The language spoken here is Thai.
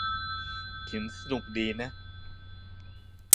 เขียนสนุกดี